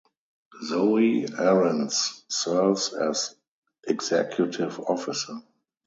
Zoe Arantz serves as Executive Officer.